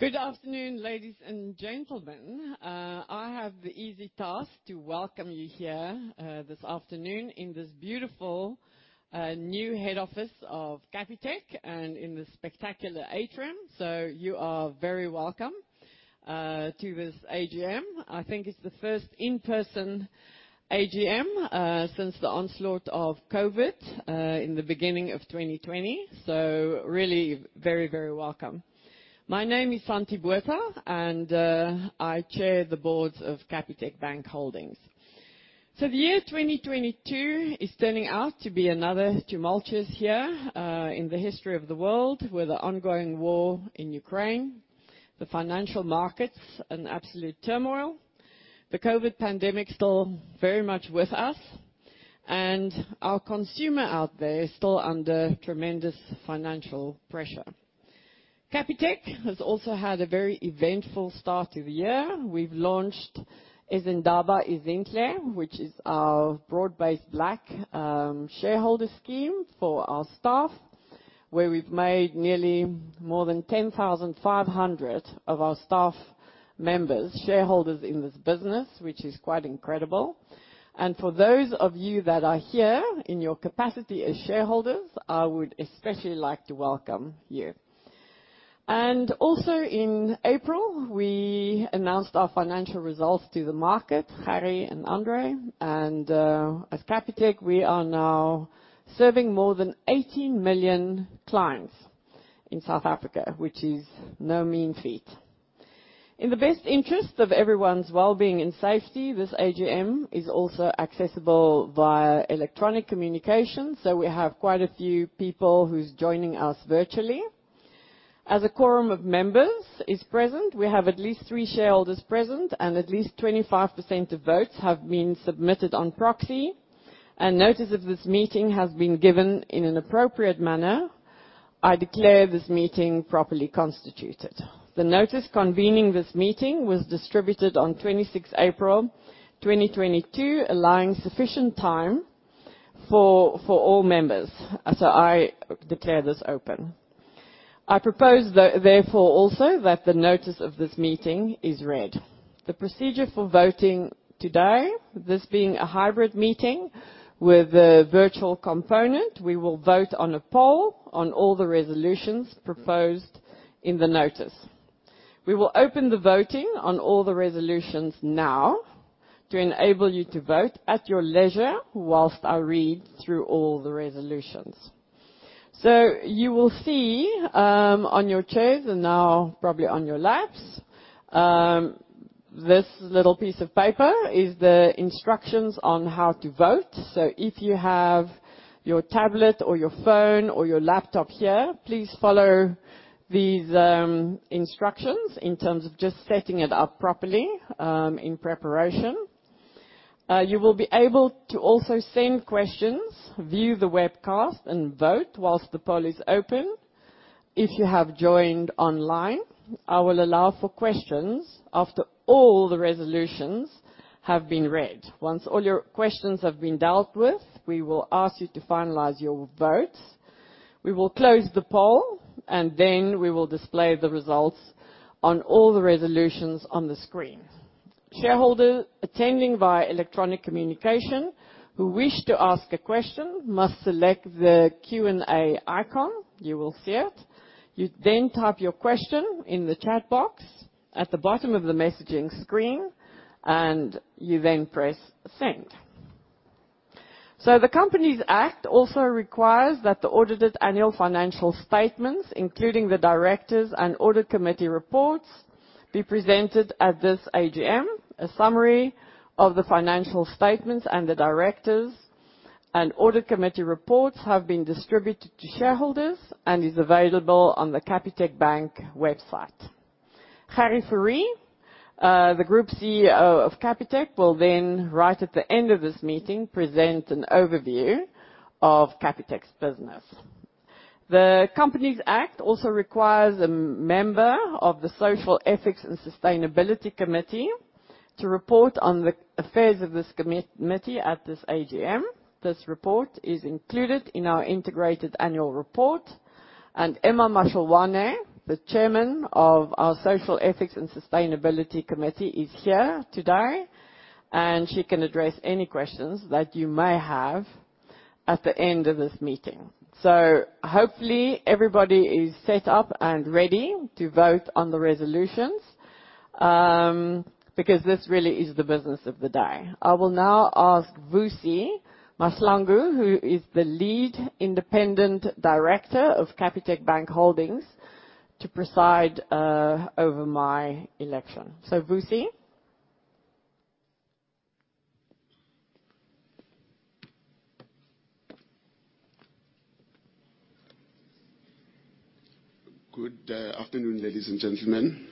Good afternoon, ladies and gentlemen. I have the easy task to welcome you here this afternoon in this beautiful new head office of Capitec and in this spectacular atrium. You are very welcome to this AGM. I think it's the first in-person AGM since the onslaught of COVID in the beginning of 2020. Really very, very welcome. My name is Santie Botha, and I chair the boards of Capitec Bank Holdings. The year 2022 is turning out to be another tumultuous year in the history of the world. With the ongoing war in Ukraine, the financial markets in absolute turmoil, the COVID pandemic still very much with us, and our consumer out there is still under tremendous financial pressure. Capitec has also had a very eventful start to the year. We've launched Izindaba Ezinhle, which is our broad-based Black shareholder scheme for our staff. Where we've made nearly more than 10,500 of our staff members shareholders in this business, which is quite incredible. For those of you that are here in your capacity as shareholders, I would especially like to welcome you. Also in April, we announced our financial results to the market, Gerrie and André. At Capitec, we are now serving more than 80 million clients in South Africa, which is no mean feat. In the best interest of everyone's well-being and safety, this AGM is also accessible via electronic communication, so we have quite a few people who's joining us virtually. As a quorum of members is present, we have at least three shareholders present, and at least 25% of votes have been submitted on proxy, and notice of this meeting has been given in an appropriate manner. I declare this meeting properly constituted. The notice convening this meeting was distributed on 26 April 2022, allowing sufficient time for all members. I declare this open. I propose therefore also that the notice of this meeting is read. The procedure for voting today, this being a hybrid meeting with a virtual component, we will vote on a poll on all the resolutions proposed in the notice. We will open the voting on all the resolutions now to enable you to vote at your leisure while I read through all the resolutions. You will see on your chairs and now probably on your laps this little piece of paper is the instructions on how to vote. If you have your tablet or your phone or your laptop here, please follow these instructions in terms of just setting it up properly in preparation. You will be able to also send questions, view the webcast, and vote whilst the poll is open. If you have joined online, I will allow for questions after all the resolutions have been read. Once all your questions have been dealt with, we will ask you to finalize your votes. We will close the poll, and then we will display the results on all the resolutions on the screen. Shareholders attending via electronic communication who wish to ask a question must select the Q&A icon. You will see it. You then type your question in the chat box at the bottom of the messaging screen, and you then press Send. The Companies Act also requires that the audited annual financial statements, including the directors' and audit committee reports, be presented at this AGM. A summary of the financial statements and the directors' and audit committee reports have been distributed to shareholders and is available on the Capitec Bank website. Gerrie Fourie, the Group CEO of Capitec, will then, right at the end of this meeting, present an overview of Capitec's business. The Companies Act also requires a member of the Social, Ethics and Sustainability Committee to report on the affairs of this committee at this AGM. This report is included in our integrated annual report. Emma Mashilwane, the Chairman of our Social, Ethics and Sustainability Committee, is here today, and she can address any questions that you may have at the end of this meeting. Hopefully everybody is set up and ready to vote on the resolutions, because this really is the business of the day. I will now ask Vusi Mahlangu, who is the Lead Independent Director of Capitec Bank Holdings, to preside over my election. Vusi? Good afternoon, ladies and gentlemen.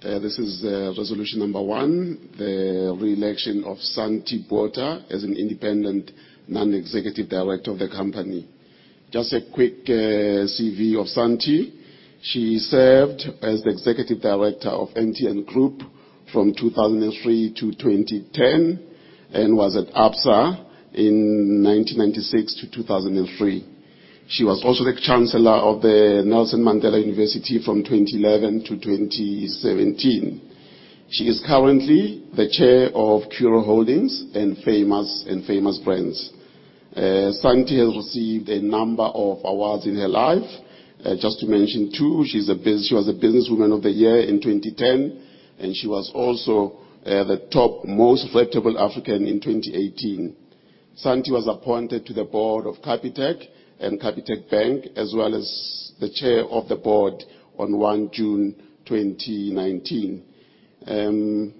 This is resolution number one, the reelection of Santie Botha as an independent non-executive director of the company. Just a quick CV of Santie. She served as the executive director of MTN Group from 2003 to 2010 and was at Absa in 1996 to 2003. She was also the Chancellor of the Nelson Mandela Metropolitan University from 2011 to 2017. She is currently the Chair of Curro Holdings and Famous Brands. Santie has received a number of awards in her life. Just to mention two, she was a businesswoman of the year in 2010, and she was also the top most respectable African in 2018. Santie was appointed to the board of Capitec and Capitec Bank, as well as the Chair of the board on 1 June 2019.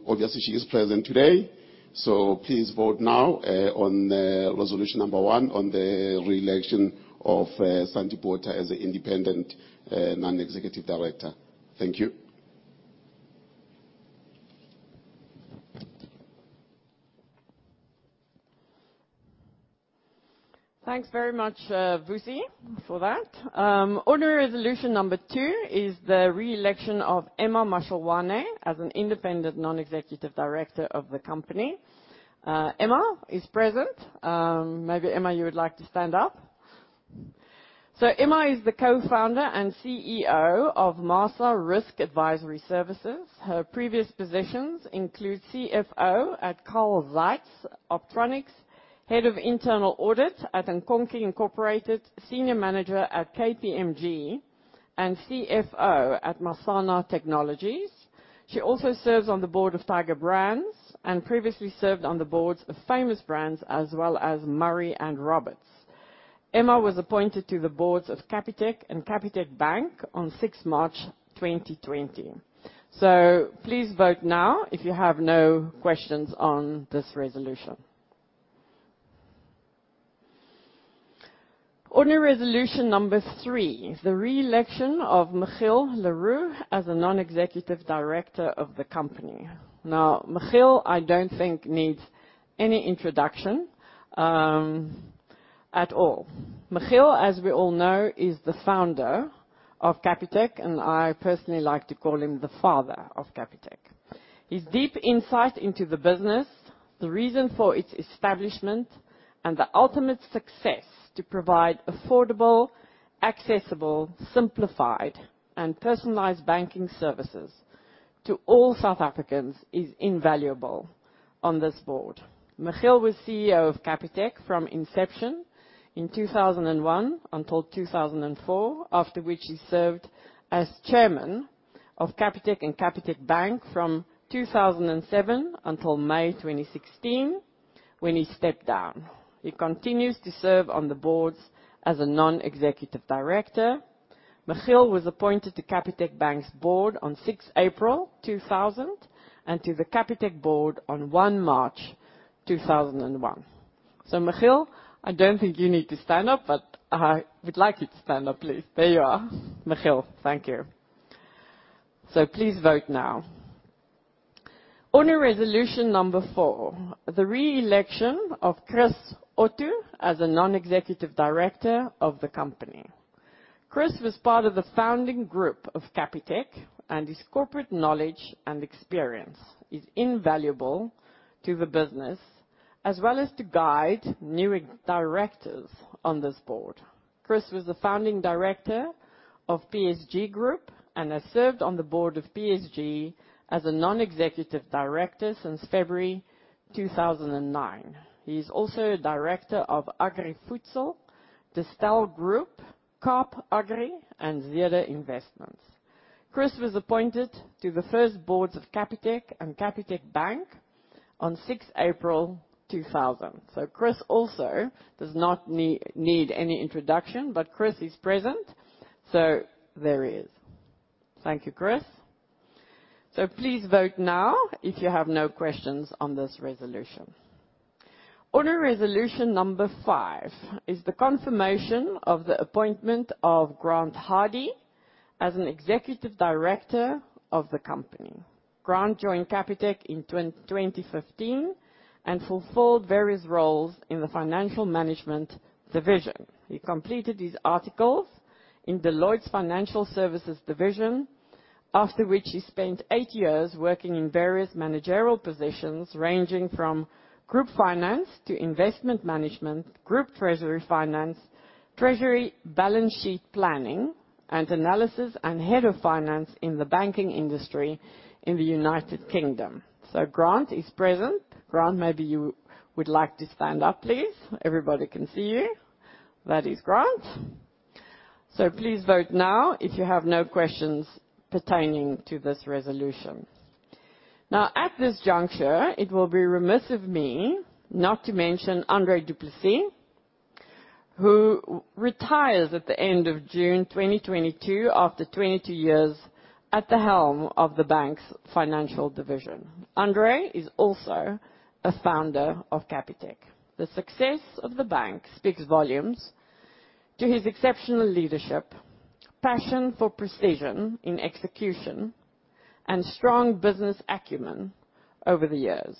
Obviously, she is present today, so please vote now on resolution number one on the re-election of Santie Botha as an independent non-executive director. Thank you. Thanks very much, Vusi, for that. Ordinary resolution number two is the reelection of Emma Mashilwane as an independent non-executive director of the company. Emma is present. Maybe Emma, you would like to stand up. Emma is the co-founder and CEO of Masa Risk Advisory Services. Her previous positions include CFO at Carl Zeiss Optronics, head of internal audit at Nkonki Incorporated, senior manager at KPMG, and CFO at Masana Technologies. She also serves on the board of Tiger Brands and previously served on the boards of Famous Brands, as well as Murray & Roberts. Emma was appointed to the boards of Capitec and Capitec Bank on 6th March 2020. Please vote now if you have no questions on this resolution. Ordinary resolution number three is the reelection of Michiel Le Roux as a non-executive director of the company. Now, Michiel, I don't think needs any introduction at all. Michiel, as we all know, is the founder of Capitec, and I personally like to call him the father of Capitec. His deep insight into the business, the reason for its establishment, and the ultimate success to provide affordable, accessible, simplified, and personalized banking services to all South Africans is invaluable on this board. Michiel was CEO of Capitec from inception in 2001 until 2004. After which he served as Chairman of Capitec and Capitec Bank from 2007 until May 2016, when he stepped down. He continues to serve on the boards as a Non-Executive Director. Michiel was appointed to Capitec Bank's board on 6th April 2000, and to the Capitec board on 1 March 2001. Michiel, I don't think you need to stand up, but I would like you to stand up, please. There you are. Michiel, thank you. Please vote now. Ordinary resolution number four, the reelection of Chris Otto as a non-executive director of the company. Chris was part of the founding group of Capitec, and his corporate knowledge and experience is invaluable to the business, as well as to guide new executive directors on this board. Chris was the founding director of PSG Group and has served on the board of PSG as a non-executive director since February 2009. He is also a director of Agri Voedsel Beleggings, Distell Group, Kaap Agri, and Zeder Investments. Chris was appointed to the first boards of Capitec and Capitec Bank on 6th April 2000. Chris also does not need any introduction, but Chris is present. There he is. Thank you, Chris. Please vote now if you have no questions on this resolution. Ordinary resolution number five is the confirmation of the appointment of Grant Hardy as an executive director of the company. Grant joined Capitec in 2015 and fulfilled various roles in the financial management division. He completed his articles in Deloitte's Financial Services division, after which he spent eight years working in various managerial positions, ranging from group finance to investment management, group treasury finance, treasury balance sheet planning and analysis, and head of finance in the banking industry in the United Kingdom. Grant is present. Grant, maybe you would like to stand up, please. Everybody can see you. That is Grant. Please vote now if you have no questions pertaining to this resolution. Now, at this juncture, it will be remiss of me not to mention André du Plessis, who retires at the end of June 2022 after 22 years at the helm of the bank's financial division. André is also a founder of Capitec. The success of the bank speaks volumes to his exceptional leadership, passion for precision in execution, and strong business acumen over the years.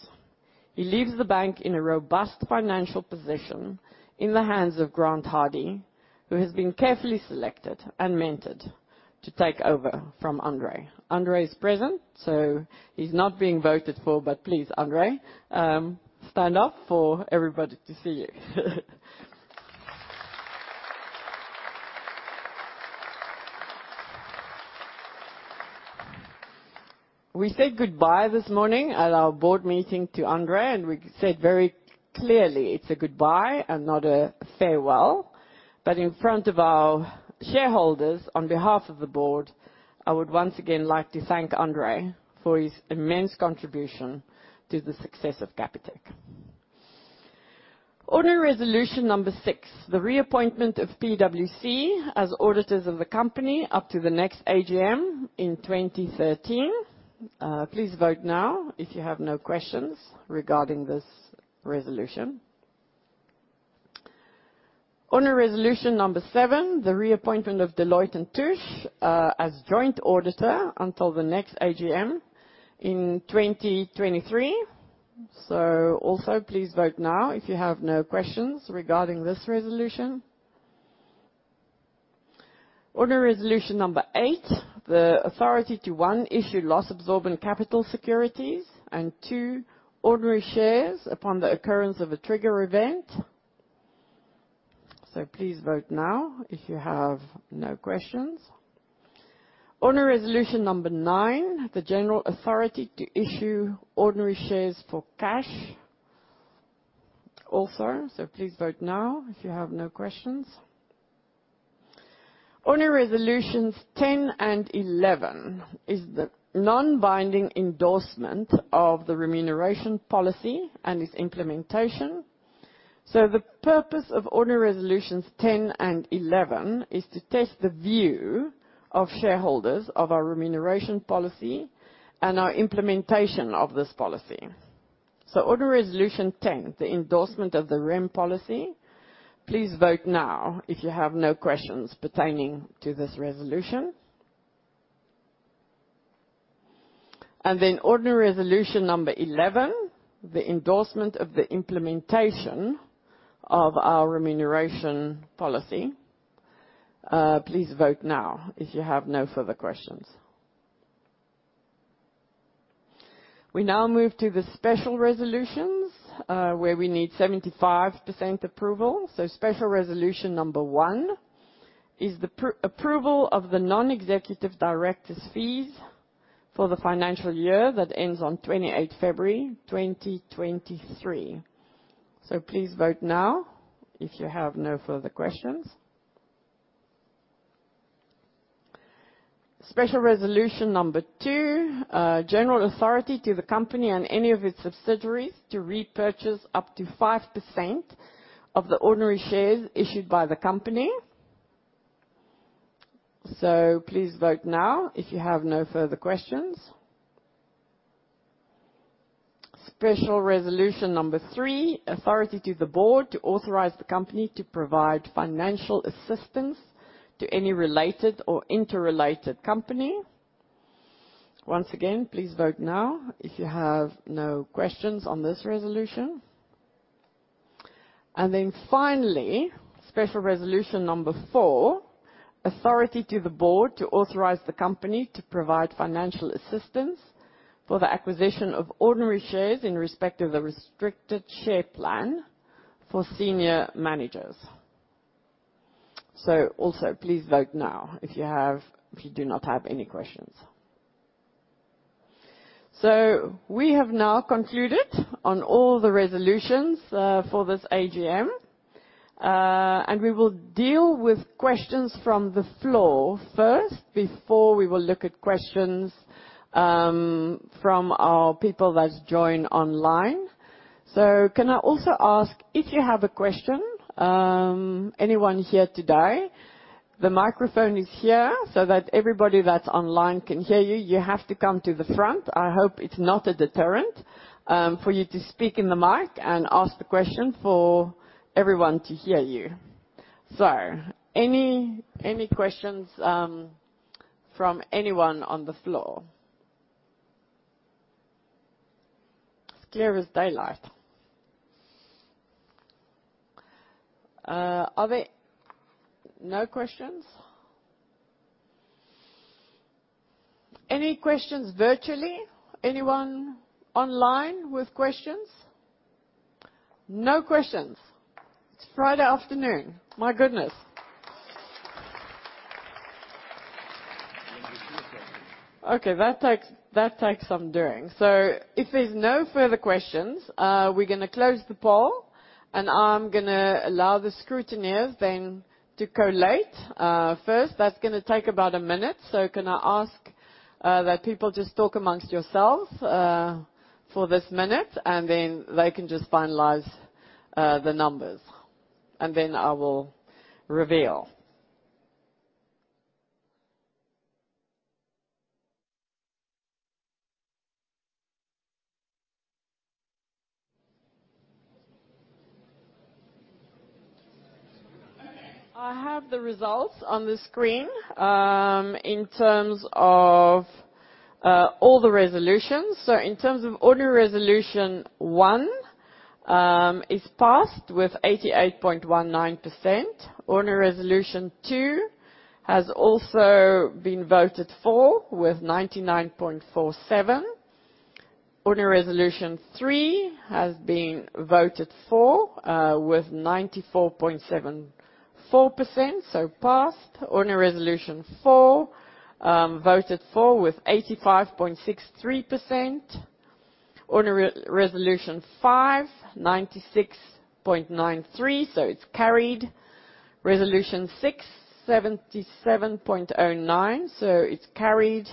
He leaves the bank in a robust financial position in the hands of Grant Hardy, who has been carefully selected and mentored to take over from André. André is present, so he's not being voted for, but please, André, stand up for everybody to see you. We said goodbye this morning at our board meeting to André, and we said very clearly it's a goodbye and not a farewell. In front of our shareholders, on behalf of the board, I would once again like to thank André du Plessis for his immense contribution to the success of Capitec. Ordinary resolution number six, the reappointment of PwC as auditors of the company up to the next AGM in 2013. Please vote now if you have no questions regarding this resolution. Ordinary resolution number seven, the reappointment of Deloitte & Touche as joint auditor until the next AGM in 2023. Also please vote now if you have no questions regarding this resolution. Ordinary resolution number eight, the authority to, one, issue loss-absorbing capital securities and, two, ordinary shares upon the occurrence of a trigger event. Please vote now if you have no questions. Ordinary resolution number nine, the general authority to issue ordinary shares for cash also. Please vote now if you have no questions. Ordinary resolutions 10 and 11 is the non-binding endorsement of the remuneration policy and its implementation. The purpose of ordinary resolutions 10 and 11 is to test the view of shareholders of our remuneration policy and our implementation of this policy. Ordinary resolution 10, the endorsement of the rem policy. Please vote now if you have no questions pertaining to this resolution. Ordinary resolution number 11, the endorsement of the implementation of our remuneration policy. Please vote now if you have no further questions. We now move to the special resolutions, where we need 75% approval. Special resolution number one is the pre-approval of the non-executive directors' fees for the financial year that ends on 28 February 2023. Please vote now if you have no further questions. Special resolution number two, general authority to the company and any of its subsidiaries to repurchase up to 5% of the ordinary shares issued by the company. Please vote now if you have no further questions. Special resolution number three, authority to the board to authorize the company to provide financial assistance to any related or interrelated company. Once again, please vote now if you have no questions on this resolution. Finally, special resolution number four, authority to the board to authorize the company to provide financial assistance for the acquisition of ordinary shares in respect of the restricted share plan for senior managers. Please vote now if you do not have any questions. We have now concluded on all the resolutions for this AGM. We will deal with questions from the floor first before we will look at questions from our people that's joined online. Can I also ask, if you have a question, anyone here today, the microphone is here so that everybody that's online can hear you. You have to come to the front. I hope it's not a deterrent for you to speak in the mic and ask the question for everyone to hear you. Any questions from anyone on the floor? It's clear as daylight. Are there no questions? Any questions virtually? Anyone online with questions? No questions. It's Friday afternoon. My goodness. Okay, that takes some doing. If there's no further questions, we're gonna close the poll, and I'm gonna allow the scrutineers then to collate first. That's gonna take about a minute, so can I ask that people just talk among yourselves for this minute, and then they can just finalize the numbers, and then I will reveal. I have the results on the screen, in terms of all the resolutions. In terms of Ordinary Resolution one, is passed with 88.19%. Ordinary Resolution two has also been voted for with 99.47%. Ordinary Resolution three has been voted for with 94.74%, so passed. Ordinary Resolution four, voted for with 85.63%. Ordinary Resolution five, 96.93%, so it's carried. Resolution six, 77.09%, so it's carried.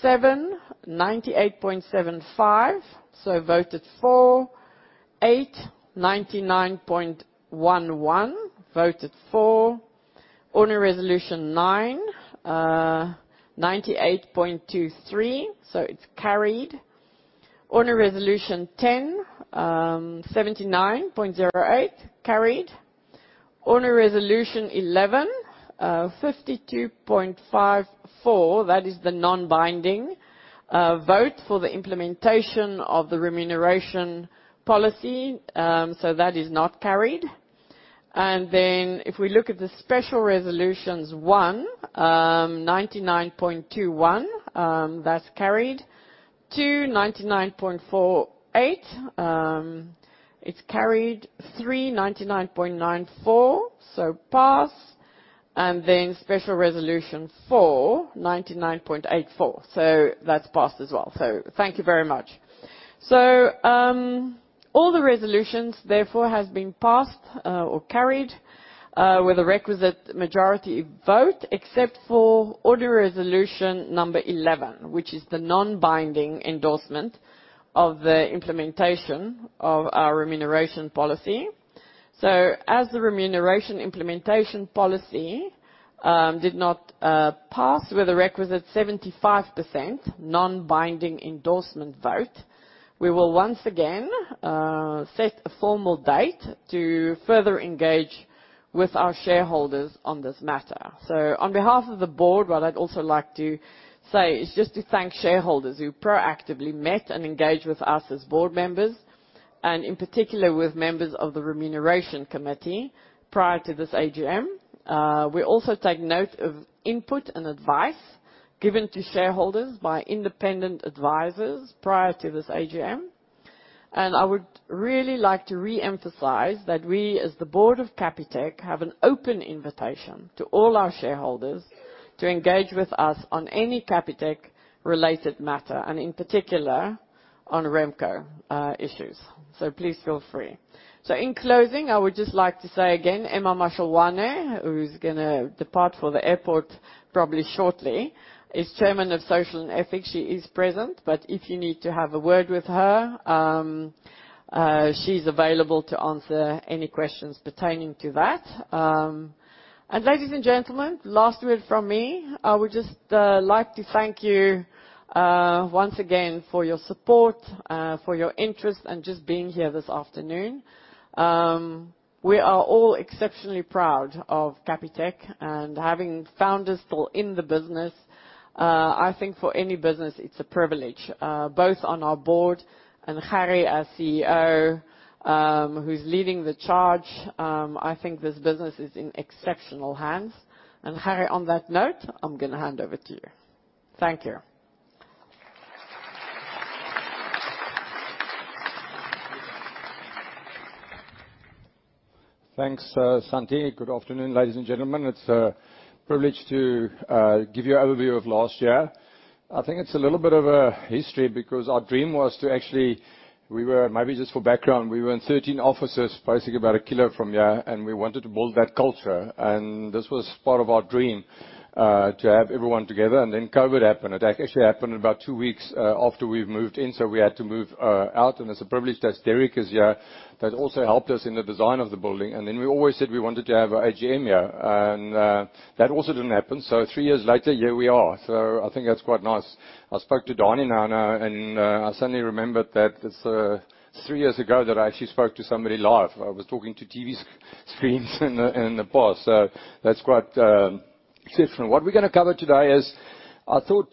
Seven, 98.75%, so voted for. Eight, 99.11%, voted for. Ordinary Resolution nine, 98.23%, so it's carried. Ordinary Resolution 10, 79.08%, carried. Ordinary Resolution 11, 52.54%. That is the non-binding vote for the implementation of the remuneration policy, so that is not carried. If we look at the special resolutions, one, 99.21%, that's carried. Two, 99.48%, it's carried. Three, 99.94%, so pass. Special Resolution four, 99.84%. That's passed as well. Thank you very much. All the resolutions therefore has been passed or carried with the requisite majority vote, except for Ordinary Resolution number 11, which is the non-binding endorsement of the implementation of our remuneration policy. As the remuneration implementation policy did not pass with the requisite 75% non-binding endorsement vote, we will once again set a formal date to further engage with our shareholders on this matter. On behalf of the board, what I'd also like to say is just to thank shareholders who proactively met and engaged with us as board members, and in particular with members of the Remuneration Committee prior to this AGM. We also take note of input and advice given to shareholders by independent advisors prior to this AGM. I would really like to re-emphasize that we, as the board of Capitec, have an open invitation to all our shareholders to engage with us on any Capitec-related matter, and in particular on RemCo issues. Please feel free. In closing, I would just like to say again, Emma Mashilwane, who's gonna depart for the airport probably shortly, is Chairman of Social and Ethics. She is present, but if you need to have a word with her, she's available to answer any questions pertaining to that. Ladies and gentlemen, last word from me. I would just like to thank you once again for your support, for your interest, and just being here this afternoon. We are all exceptionally proud of Capitec and having founders still in the business. I think for any business, it's a privilege, both on our board and Gerrie, our CEO, who's leading the charge. I think this business is in exceptional hands. Gerrie, on that note, I'm gonna hand over to you. Thank you. Thanks, Santie. Good afternoon, ladies and gentlemen. It's a privilege to give you an overview of last year. I think it's a little bit of a history because our dream was to actually. Maybe just for background, we were in 13 offices, basically about 1 km from here, and we wanted to build that culture. This was part of our dream to have everyone together. Then COVID happened. It actually happened about two weeks after we've moved in, so we had to move out. It's a privilege that Derek is here. That also helped us in the design of the building. Then we always said we wanted to have our AGM here, and that also didn't happen. Three years later, here we are. I think that's quite nice. I spoke to Donné now, and I suddenly remembered that it's three years ago that I actually spoke to somebody live. I was talking to TV screens in the past. That's quite different. What we're gonna cover today is talk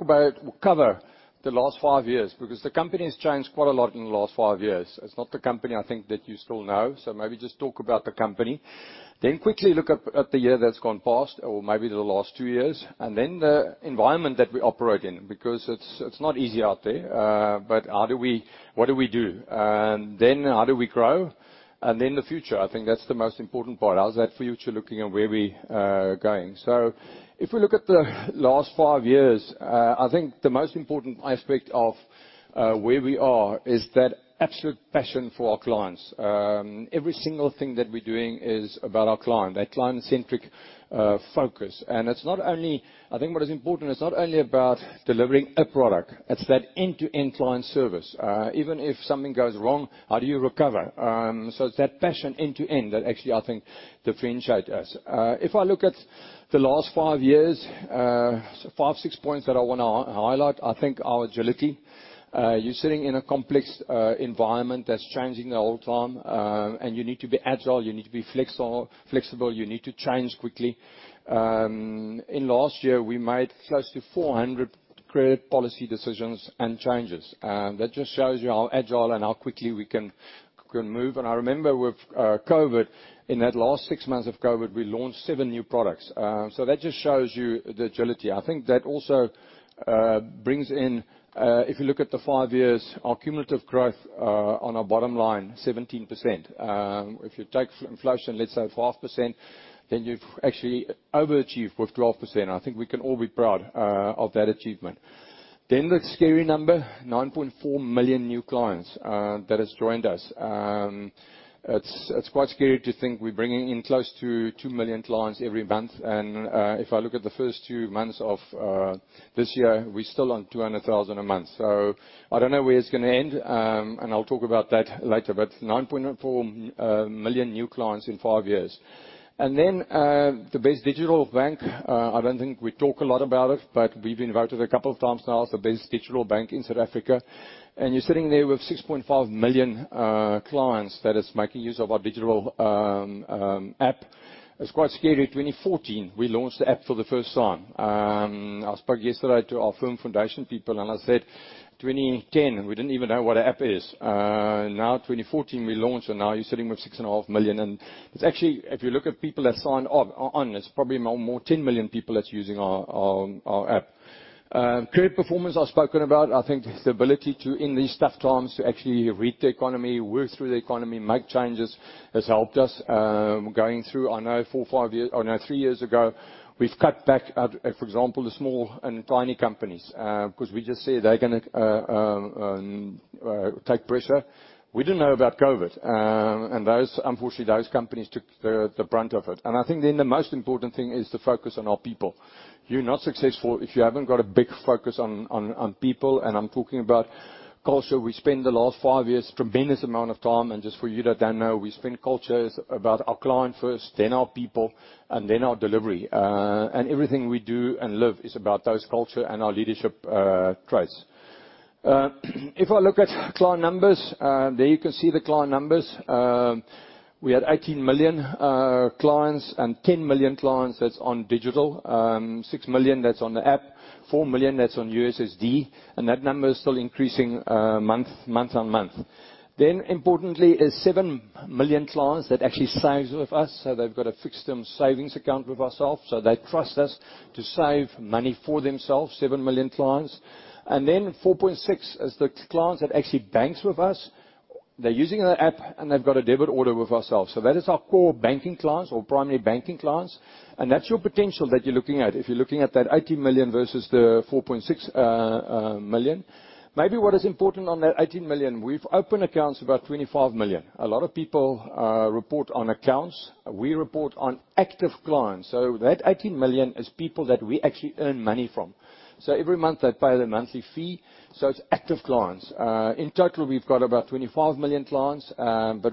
about, cover the last five years, because the company has changed quite a lot in the last five years. It's not the company I think that you still know. Maybe just talk about the company, then quickly look at the year that's gone past or maybe the last two years, and then the environment that we operate in, because it's not easy out there. What do we do? How do we grow? The future, I think that's the most important part. How's that future looking and where we are going. If we look at the last five years, I think the most important aspect of where we are is that absolute passion for our clients. Every single thing that we're doing is about our client, that client-centric focus. I think what is important, it's not only about delivering a product, it's that end-to-end client service. Even if something goes wrong, how do you recover? It's that passion end to end that actually, I think differentiate us. If I look at the last five years, five, six points that I wanna highlight, I think our agility. You're sitting in a complex environment that's changing the whole time, and you need to be agile, you need to be flexible, you need to change quickly. In last year, we made close to 400 credit policy decisions and changes. That just shows you how agile and how quickly we can move. I remember with COVID, in that last six months of COVID, we launched seven new products. That just shows you the agility. I think that also brings in if you look at the five years, our cumulative growth on our bottom line 17%. If you take inflation, let's say 5%, then you've actually overachieved with 12%. I think we can all be proud of that achievement. The scary number, 9.4 million new clients that has joined us. It's quite scary to think we're bringing in close to two million clients every month. If I look at the first two months of this year, we're still on 200,000 a month. I don't know where it's gonna end. I'll talk about that later. 9.4 million new clients in five years. The best digital bank. I don't think we talk a lot about it, but we've been voted a couple of times now as the best digital bank in South Africa. You're sitting there with 6.5 million clients that is making use of our digital app. It's quite scary. 2014, we launched the app for the first time. I spoke yesterday to our Firm Foundations people, and I said, "2010, we didn't even know what an app is." Now 2014 we launched, and now you're sitting with 6.5 million. It's actually, if you look at people that sign on, it's probably more 10 million people that's using our app. Credit performance I've spoken about. I think the ability to, in these tough times, to actually read the economy, work through the economy, make changes, has helped us going through, I know, four, five years. I know three years ago, we've cut back, for example, the small and tiny companies, because we just said they're gonna take pressure. We didn't know about COVID. Those companies, unfortunately, took the brunt of it. I think then the most important thing is to focus on our people. You're not successful if you haven't got a big focus on people, and I'm talking about culture. We spent the last five years tremendous amount of time, and just for you that don't know, we espouse cultures about our client first, then our people, and then our delivery. Everything we do and live is about those culture and our leadership traits. If I look at client numbers, there you can see the client numbers. We had 18 million clients and 10 million clients that's on digital. Six million that's on the app. Four million that's on USSD. That number is still increasing month-on-month. Importantly is seven million clients that actually saves with us. They've got a fixed term savings account with ourselves. They trust us to save money for themselves, seven million clients. Then 4.6 million is the clients that actually banks with us. They're using our app, and they've got a debit order with ourselves. That is our core banking clients or primary banking clients. That's your potential that you're looking at. If you're looking at that 18 million versus the 4.6 million. Maybe what is important on that 18 million, we've opened accounts about 25 million. A lot of people report on accounts. We report on active clients. That 18 million is people that we actually earn money from. Every month, they pay their monthly fee, it's active clients. In total, we've got about 25 million clients.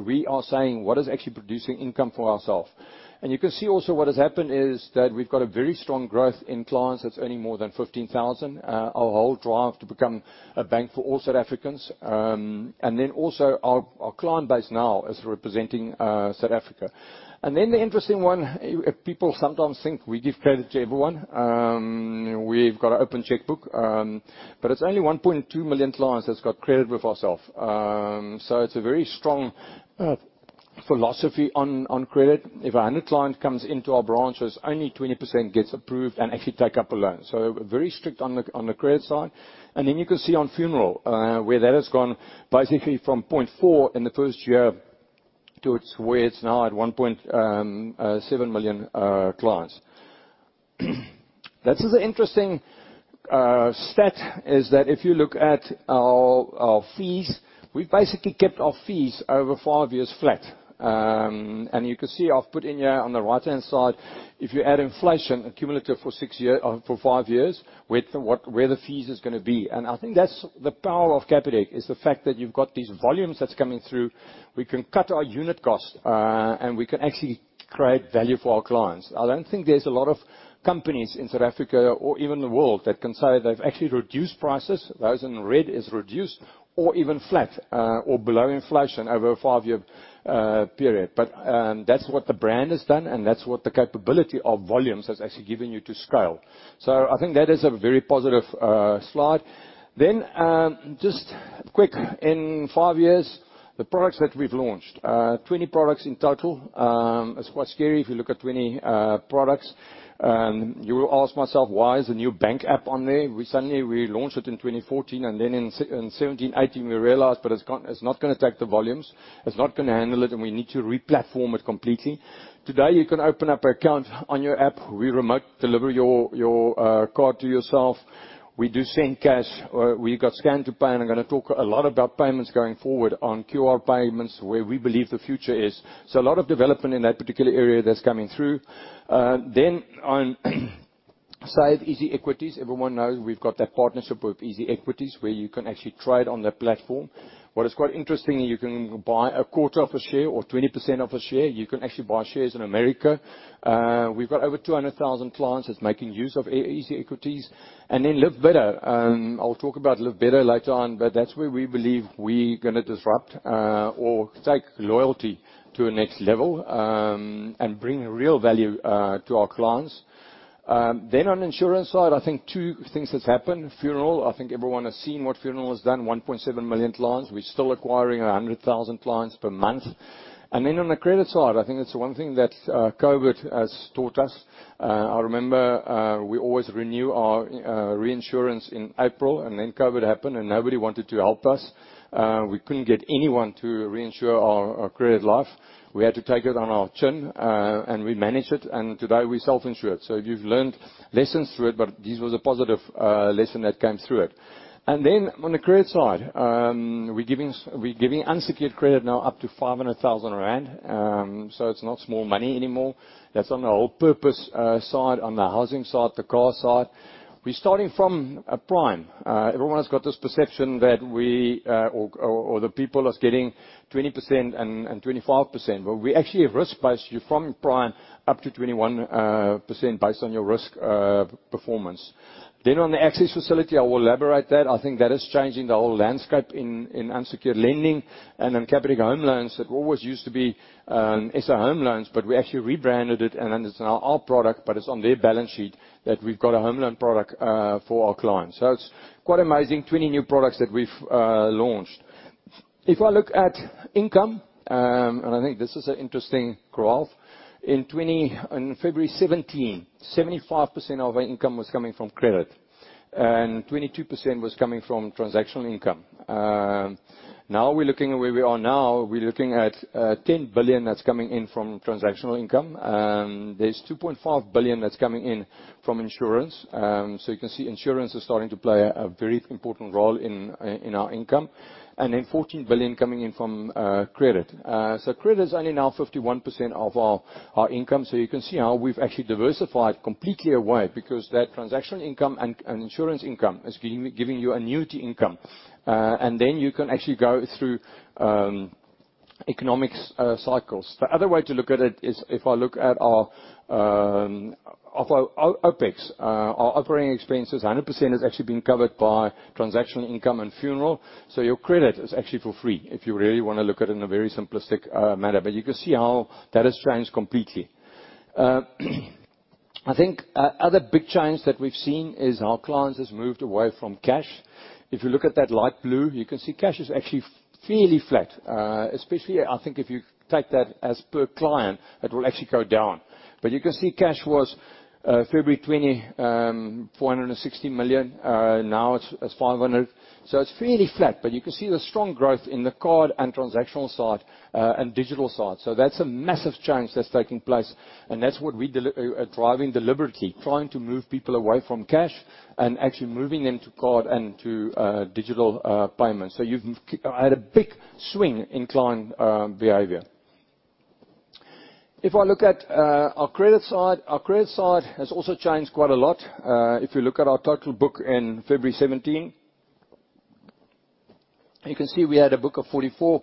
We are saying, "What is actually producing income for ourself?" You can see also what has happened is that we've got a very strong growth in clients that's earning more than 15,000. Our whole drive to become a bank for all South Africans. Our client base now is representing South Africa. The interesting one, people sometimes think we give credit to everyone. We've got an open checkbook. It's only 1.2 million clients that's got credit with ourself. It's a very strong philosophy on credit. If 100 client comes into our branches, only 20% gets approved and actually take up a loan. Very strict on the credit side. You can see on funeral where that has gone basically from 0.4 million in the first year to where it's now at 1.7 million clients. This is an interesting stat, is that if you look at our fees, we've basically kept our fees over five years flat. You can see I've put in here on the right-hand side, if you add inflation accumulative for five years, with where the fees is gonna be. I think that's the power of Capitec, is the fact that you've got these volumes that's coming through. We can cut our unit cost, and we can actually create value for our clients. I don't think there's a lot of companies in South Africa or even the world that can say they've actually reduced prices. Those in red is reduced or even flat, or below inflation over a five-year period. That's what the brand has done, and that's what the capability of volumes has actually given you to scale. I think that is a very positive slide. Just quick, in five years, the products that we've launched, 20 products in total. It's quite scary if you look at 20 products. You will ask myself, why is the new bank app on there? We launched it in 2014, and then in 2017, 2018, we realized it's not gonna take the volumes. It's not gonna handle it, and we need to re-platform it completely. Today, you can open up an account on your app. We remote deliver your card to yourself. We do Send Cash. We've got scan to pay, and I'm gonna talk a lot about payments going forward on QR payments, where we believe the future is. A lot of development in that particular area that's coming through. On EasyEquities. Everyone knows we've got that partnership with EasyEquities where you can actually trade on their platform. What is quite interesting, you can buy a quarter of a share or 20% of a share. You can actually buy shares in America. We've got over 200,000 clients that's making use of EasyEquities. Live Better. I'll talk about Live Better later on, but that's where we believe we gonna disrupt, or take loyalty to a next level, and bring real value to our clients. On insurance side, I think two things has happened. Funeral, I think everyone has seen what Funeral has done, 1.7 million clients. We're still acquiring 100,000 clients per month. On the credit side, I think it's the one thing that COVID has taught us. I remember we always renew our reinsurance in April, and then COVID happened, and nobody wanted to help us. We couldn't get anyone to reinsure our credit life. We had to take it on our chin, and we managed it, and today we self-insure it. We've learned lessons through it, but this was a positive lesson that came through it. On the credit side, we're giving unsecured credit now up to 500,000 rand. It's not small money anymore. That's on the whole purpose side, on the housing side, the car side. We're starting from a prime. Everyone has got this perception that we or the people is getting 20% and 25%. But we actually have risk-based rate from prime up to 21% based on your risk performance. Then on the Access Facility, I will elaborate that. I think that is changing the whole landscape in unsecured lending. On Capitec Home Loans, it always used to be SA Home Loans, but we actually rebranded it, and then it's now our product, but it's on their balance sheet that we've got a home loan product for our clients. It's quite amazing, 20 new products that we've launched. If I look at income, and I think this is an interesting graph. In February 2017, 75% of our income was coming from credit, and 22% was coming from transactional income. Now we're looking at where we are now. We're looking at 10 billion that's coming in from transactional income. There's 2.5 billion that's coming in from insurance. You can see insurance is starting to play a very important role in our income. 14 billion coming in from credit. Credit is only now 51% of our income. You can see how we've actually diversified completely away because that transactional income and insurance income is giving you annuity income. You can actually go through economic cycles. The other way to look at it is if I look at our of our OpEx, our operating expenses, 100% is actually being covered by transactional income and funeral. Your credit is actually for free, if you really wanna look at it in a very simplistic manner. You can see how that has changed completely. I think other big change that we've seen is how clients has moved away from cash. If you look at that light blue, you can see cash is actually fairly flat. Especially, I think if you take that as per client, it will actually go down. You can see cash was February 2020 460 million. Now it's 500 million. It's fairly flat, but you can see the strong growth in the card and transactional side, and digital side. That's a massive change that's taking place, and that's what we're driving deliberately, trying to move people away from cash and actually moving them to card and to digital payments. You've had a big swing in client behavior. If I look at our credit side, our credit side has also changed quite a lot. If you look at our total book in February 2017, you can see we had a book of 44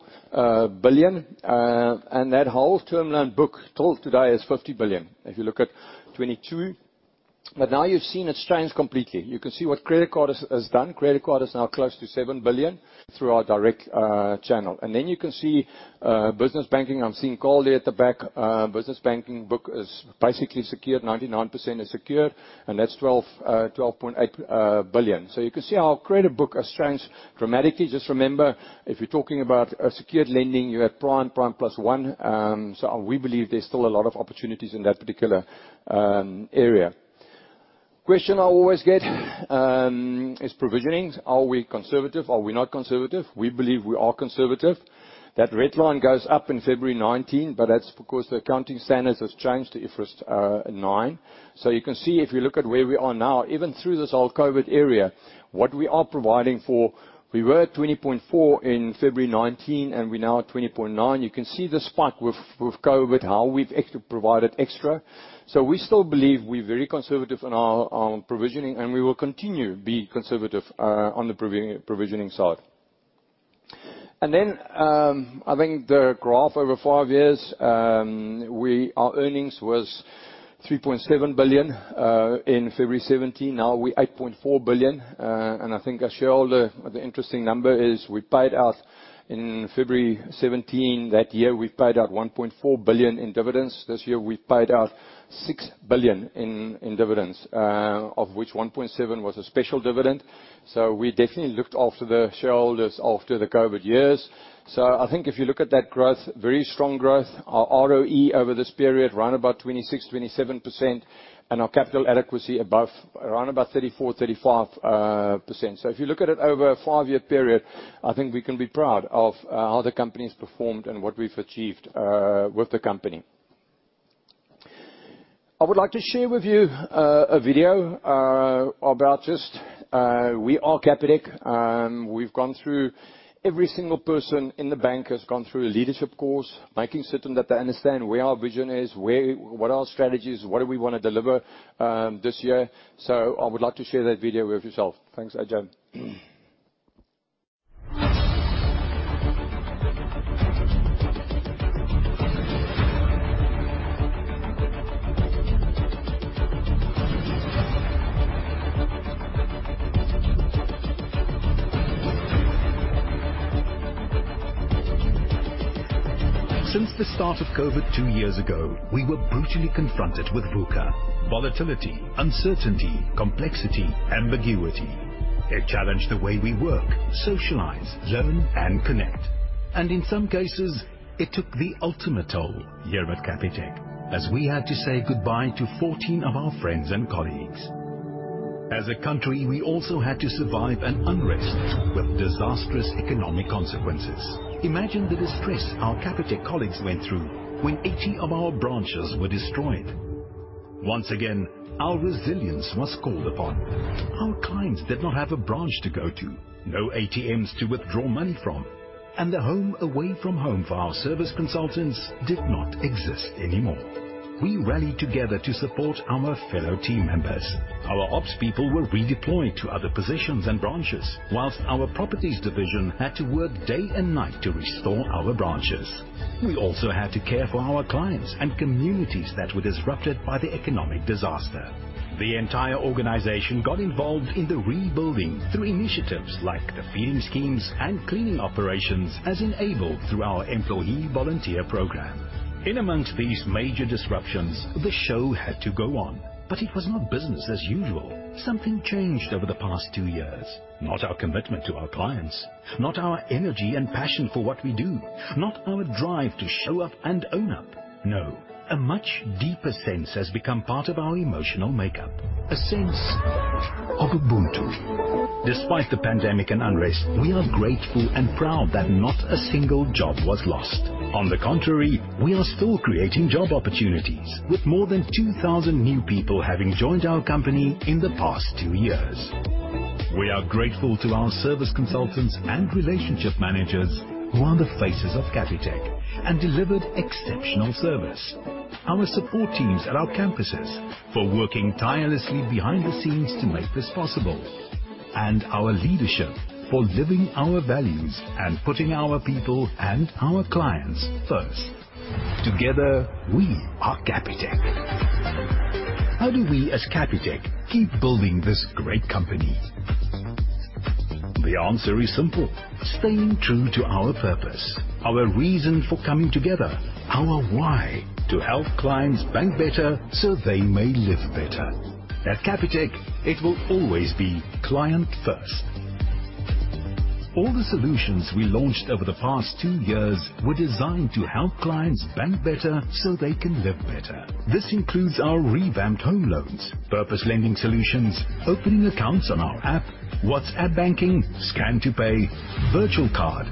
billion. That whole term loan book till today is 50 billion. If you look at 2022. But now you've seen it's changed completely. You can see what credit card has done. Credit card is now close to 7 billion through our direct channel. Then you can see business banking. I'm seeing Carl there at the back. Business banking book is basically secured. 99% is secured, and that's 12.8 billion. You can see our credit book has changed dramatically. Just remember, if you're talking about secured lending, you have prime plus one. We believe there's still a lot of opportunities in that particular area. Question I always get is provisioning. Are we conservative? Are we not conservative? We believe we are conservative. That red line goes up in February 2019, but that's because the accounting standards has changed to IFRS 9. You can see, if you look at where we are now, even through this whole COVID era, what we are providing for, we were at 20.4% in February 2019, and we're now at 20.9%. You can see the spike with COVID, how we've actually provided extra. We still believe we're very conservative in our provisioning, and we will continue be conservative on the provisioning side. I think the graph over five years, our earnings was 3.7 billion in February 2017. Now we're 8.4 billion. I think as shareholder, the interesting number is we paid out in February 2017, that year, we paid out 1.4 billion in dividends. This year, we paid out 6 billion in dividends, of which 1.7 billion was a special dividend. We definitely looked after the shareholders after the COVID years. I think if you look at that growth, very strong growth. Our ROE over this period, around about 26%-27%, and our capital adequacy above, around about 34%-35%. If you look at it over a five-year period, I think we can be proud of how the company's performed and what we've achieved with the company. I would like to share with you a video. We are Capitec. Every single person in the bank has gone through a leadership course, making certain that they understand where our vision is, where what our strategy is, what do we wanna deliver this year. I would like to share that video with yourself. Thanks, agent. Since the start of COVID two years ago, we were brutally confronted with VUCA, volatility, uncertainty, complexity, ambiguity. It challenged the way we work, socialize, learn, and connect. In some cases, it took the ultimate toll here at Capitec, as we had to say goodbye to 14 of our friends and colleagues. As a country, we also had to survive an unrest with disastrous economic consequences. Imagine the distress our Capitec colleagues went through when 80 of our branches were destroyed. Once again, our resilience was called upon. Our clients did not have a branch to go to, no ATMs to withdraw money from, and the home away from home for our service consultants did not exist anymore. We rallied together to support our fellow team members. Our ops people were redeployed to other positions and branches, while our properties division had to work day and night to restore our branches. We also had to care for our clients and communities that were disrupted by the economic disaster. The entire organization got involved in the rebuilding through initiatives like the feeding schemes and cleaning operations as enabled through our employee volunteer program. In among these major disruptions, the show had to go on, but it was not business as usual. Something changed over the past two years. Not our commitment to our clients. Not our energy and passion for what we do. Not our drive to show up and own up. No. A much deeper sense has become part of our emotional makeup. A sense of ubuntu. Despite the pandemic and unrest, we are grateful and proud that not a single job was lost. On the contrary, we are still creating job opportunities, with more than 2,000 new people having joined our company in the past two years. We are grateful to our service consultants and relationship managers who are the faces of Capitec and delivered exceptional service. Our support teams at our campuses for working tirelessly behind the scenes to make this possible. Our leadership for living our values and putting our people and our clients first. Together, we are Capitec. How do we as Capitec keep building this great company? The answer is simple. Staying true to our purpose, our reason for coming together, our why to help clients bank better so they may live better. At Capitec, it will always be client first. All the solutions we launched over the past two years were designed to help clients bank better so they can live better. This includes our revamped home loans, purpose lending solutions, opening accounts on our app, WhatsApp banking, scan to pay, virtual card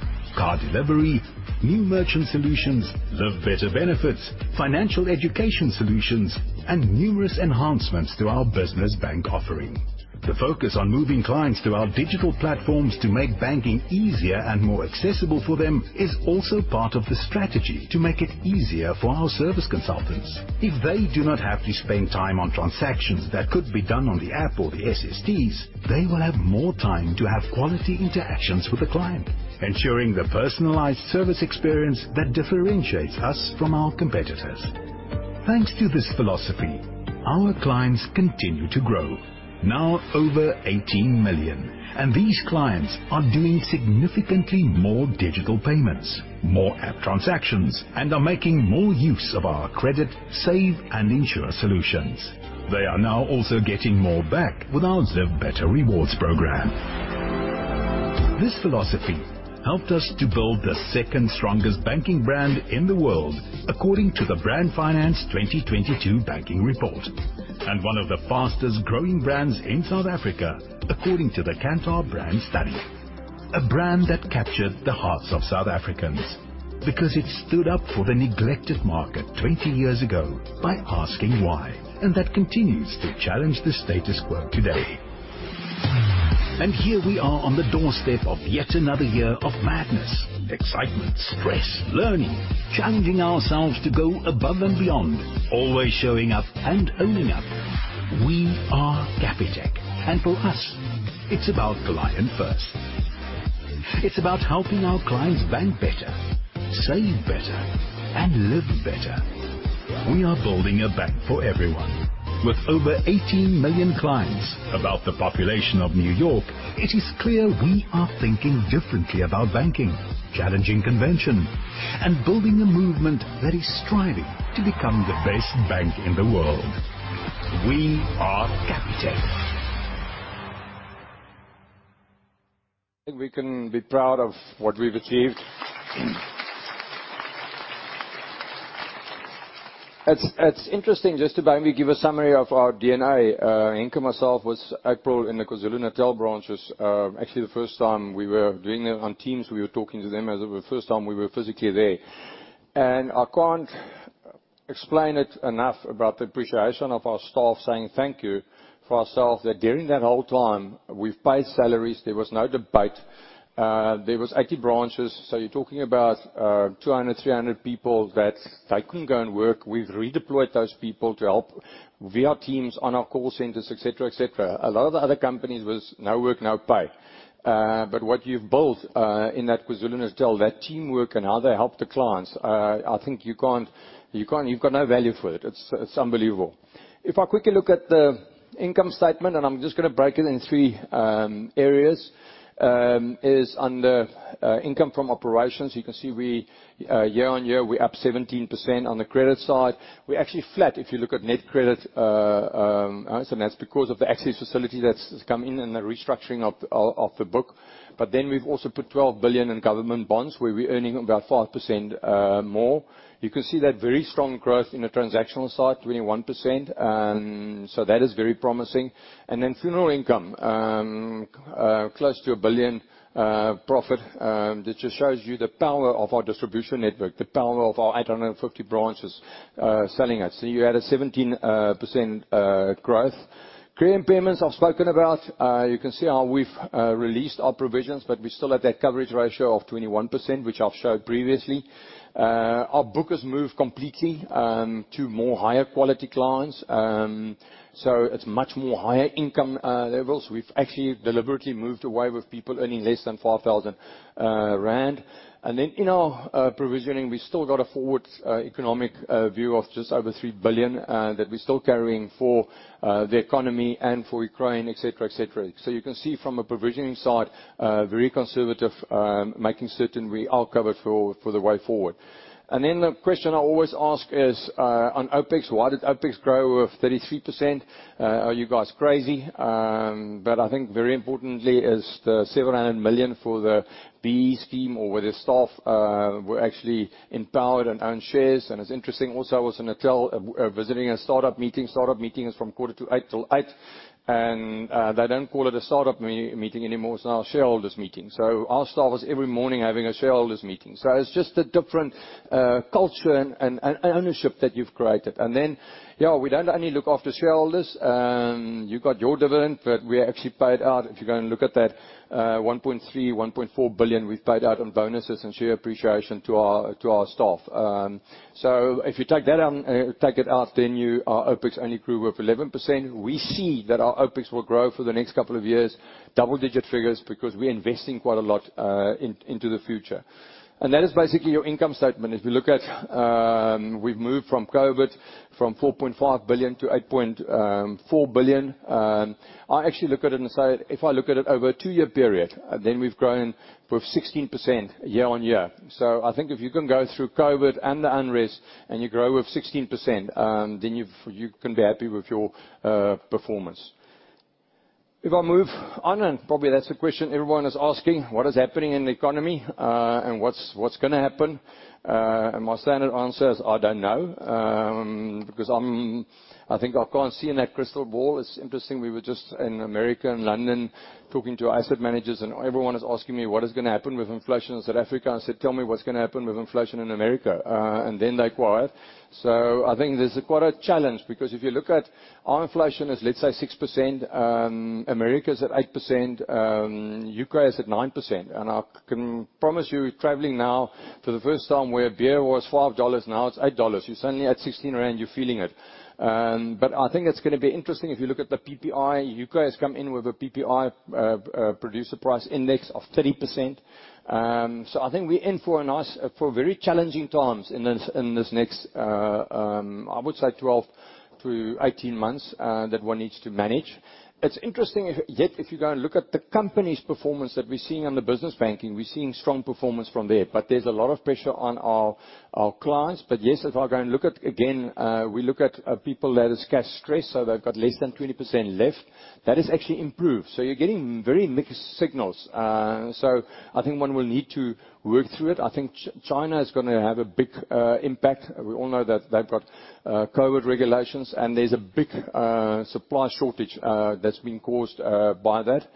delivery, new merchant solutions, Live Better benefits, financial education solutions, and numerous enhancements to our business bank offering. The focus on moving clients to our digital platforms to make banking easier and more accessible for them is also part of the strategy to make it easier for our service consultants. If they do not have to spend time on transactions that could be done on the app or the SSTs, they will have more time to have quality interactions with the client, ensuring the personalized service experience that differentiates us from our competitors. Thanks to this philosophy, our clients continue to grow. Now over 18 million, and these clients are doing significantly more digital payments, more app transactions, and are making more use of our credit, savings, and insurance solutions. They are now also getting more back with our Live Better rewards program. This philosophy helped us to build the second strongest banking brand in the world, according to the Brand Finance 2022 banking report, and one of the fastest-growing brands in South Africa, according to the Kantar BrandZ study. A brand that captured the hearts of South Africans because it stood up for the neglected market 20 years ago by asking why, and that continues to challenge the status quo today. Here we are on the doorstep of yet another year of madness, excitement, stress, learning, challenging ourselves to go above and beyond. Always showing up and owning up. We are Capitec, and for us, it's about client first. It's about helping our clients bank better, save better, and live better. We are building a bank for everyone. With over 18 million clients, about the population of New York, it is clear we are thinking differently about banking, challenging convention, and building a movement that is striving to become the best bank in the world. We are Capitec. I think we can be proud of what we've achieved. It's interesting just to maybe give a summary of our DNA. Henk myself was in April in the KwaZulu-Natal branches. Actually the first time we were doing it on Teams, we were talking to them as it were first time we were physically there. I can't explain it enough about the appreciation of our staff saying thank you for ourselves that during that whole time, we've paid salaries, there was no debate. There were 80 branches, so you're talking about 200, 300 people that they couldn't go and work. We've redeployed those people to help via Teams on our call centers, etc, etc. A lot of the other companies was no work, no pay. What you've built in that KwaZulu-Natal, that teamwork and how they help the clients, I think you can't. You've got no value for it. It's unbelievable. If I quickly look at the income statement, and I'm just gonna break it in three areas, is under income from operations. You can see we year-over-year, we're up 17% on the credit side. We're actually flat if you look at net credit, so that's because of the Access Facility that's come in and the restructuring of the book. We've also put 12 billion in government bonds, where we're earning about 5% more. You can see that very strong growth in the transactional side, 21%, so that is very promising. Funeral income close to 1 billion profit, that just shows you the power of our distribution network, the power of our 850 branches selling it. You had a 17% growth. Creating payments I've spoken about. You can see how we've released our provisions, but we still have that coverage ratio of 21%, which I've showed previously. Our book has moved completely to more higher quality clients, so it's much more higher income levels. We've actually deliberately moved away with people earning less than 4,000 rand. In our provisioning, we've still got a forward economic view of just over 3 billion that we're still carrying for the economy and for Ukraine, etc, etc. You can see from a provisioning side, very conservative, making certain we are covered for the way forward. Then the question I always ask is, on OpEx, why did OpEx grow by 33%? Are you guys crazy? I think very importantly is the 700 million for the BEE scheme where the staff were actually empowered and own shares. It's interesting also, I was in a hotel, visiting a startup meeting. Startup meeting is from 7:45 A.M. till 8:00 A.M. They don't call it a startup meeting anymore. It's now a shareholders meeting. Our staff is every morning having a shareholders meeting. It's just a different culture and ownership that you've created. Yeah, we don't only look after shareholders. You got your dividend, but we actually paid out, if you're gonna look at that, 1.3 billion-1.4 billion we've paid out on bonuses and share appreciation to our staff. So if you take it out, then our OpEx only grew by 11%. We see that our OpEx will grow for the next couple of years, double-digit figures, because we're investing quite a lot into the future. That is basically your income statement. If you look at, we've moved from COVID from 4.5 billion-8.4 billion. I actually look at it and say if I look at it over a two-year period, then we've grown by 16% year-on-year. I think if you can go through COVID and the unrest and you grow with 16%, then you can be happy with your performance. If I move on, probably that's the question everyone is asking, what is happening in the economy, and what's gonna happen? My standard answer is I don't know, because I think I can't see in that crystal ball. It's interesting, we were just in America and London talking to asset managers, and everyone is asking me, "What is gonna happen with inflation in South Africa?" I said, "Tell me what's gonna happen with inflation in America." Then they quiet. I think there's quite a challenge because if you look at our inflation is, let's say, 6%. America is at 8%, UK is at 9%. I can promise you traveling now for the first time where beer was $5, now it's $8. You're suddenly at 16 rand, you're feeling it. But I think it's gonna be interesting if you look at the PPI. UK has come in with a PPI, producer price index of 30%. So I think we're in for very challenging times in this next, I would say 12-18 months, that one needs to manage. It's interesting yet if you go and look at the company's performance that we're seeing on the business banking, we're seeing strong performance from there. But there's a lot of pressure on our clients. Yes, if I go and look at, again, we look at people that is cash-stressed, so they've got less than 20% left. That has actually improved. You're getting very mixed signals. I think one will need to work through it. I think China is gonna have a big impact. We all know that they've got COVID regulations, and there's a big supply shortage that's been caused by that.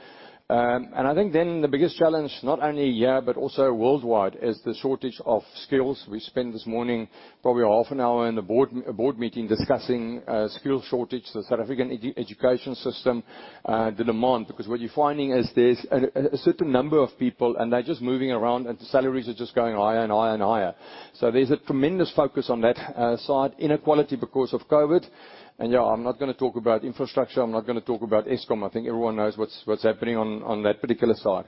I think then the biggest challenge, not only here but also worldwide, is the shortage of skills. We spent this morning probably half an hour in the board meeting discussing skill shortage, the South African education system, the demand. Because what you're finding is there's a certain number of people, and they're just moving around, and the salaries are just going higher and higher and higher. So there's a tremendous focus on that side. Inequality because of COVID. Yeah, I'm not gonna talk about infrastructure. I'm not gonna talk about Eskom. I think everyone knows what's happening on that particular side.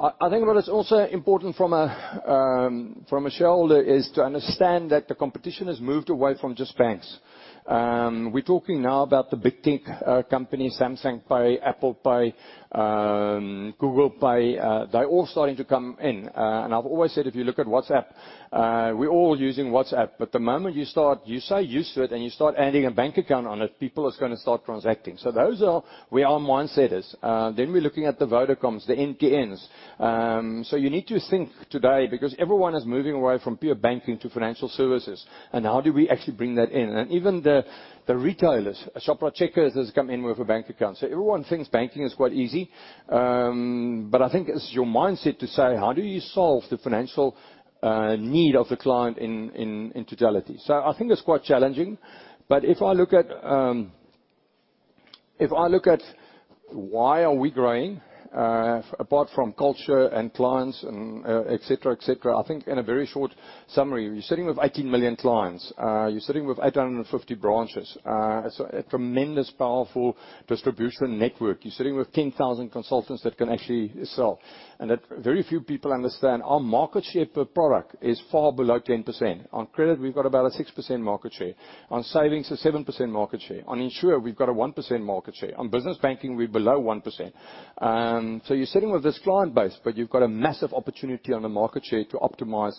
I think what is also important from a shareholder is to understand that the competition has moved away from just banks. We're talking now about the big tech companies, Samsung Pay, Apple Pay, Google Pay. They're all starting to come in. And I've always said if you look at WhatsApp, we're all using WhatsApp. But the moment you start... You're so used to it and you start adding a bank account on it, people is gonna start transacting. Those are where our mindset is. Then we're looking at the Vodacom, the MTNs. You need to think today because everyone is moving away from pure banking to financial services and how do we actually bring that in. Even the retailers, Shoprite Checkers has come in with a bank account. Everyone thinks banking is quite easy. But I think it's your mindset to say, how do you solve the financial need of the client in totality? I think it's quite challenging. I look at why we are growing, apart from culture and clients and, etc, etcc. I think in a very short summary, you're sitting with 18 million clients. You're sitting with 850 branches. So a tremendous, powerful distribution network. You're sitting with 10,000 consultants that can actually sell. That very few people understand our market share per product is far below 10%. On credit, we've got about a 6% market share. On savings, a 7% market share. On insurance, we've got a 1% market share. On business banking, we're below 1%. So you're sitting with this client base, but you've got a massive opportunity on the market share to optimize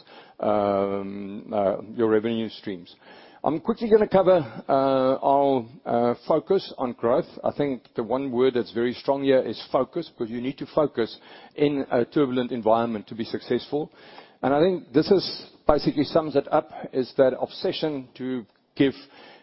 your revenue streams. I'm quickly gonna cover our focus on growth. I think the one word that's very strong here is focus, because you need to focus in a turbulent environment to be successful. I think this basically sums it up, is that obsession to give